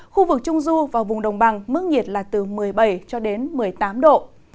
khu vực trung du và vùng đồng bằng mức nhiệt là từ một mươi bảy cho đến một mươi tám độ